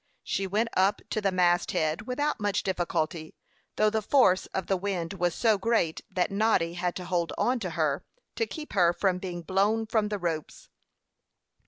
She went up to the mast head without much difficulty, though the force of the wind was so great that Noddy had to hold on to her, to keep her from being blown from the ropes.